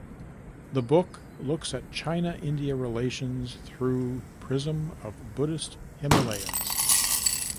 The book looks at China–India relations through prism of Buddhist Himalayas.